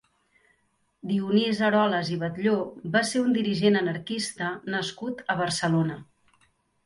Dionís Eroles i Batlló va ser un dirigent anarquista nascut a Barcelona.